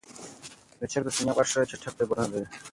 د چرګ د سینې غوښه چټک فایبرونه لري.